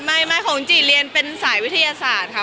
ไม่ของจีเรียนเป็นสายวิทยาศาสตร์ค่ะ